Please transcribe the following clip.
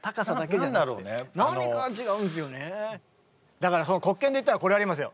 だから黒鍵でいったらこれありますよ。